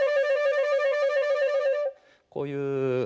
こういう。